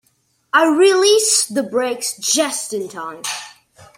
I released the brakes just in time.